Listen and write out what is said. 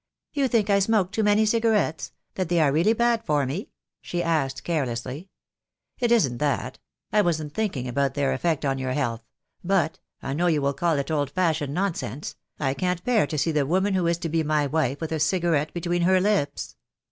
"You think I smoke too many cigarettes — that they are really bad for me?" she asked carelessly. "It isn't that. I wasn't thinking about their effect on your health; but — I know you will call it old fashioned 314 THE DAY WILL COME. nonsense — I can't bear to see the woman who is to be my wife with a cigarette between her lips."